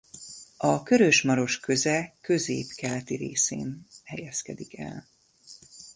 A Körös–Maros köze közép-keleti részén helyezkedik el.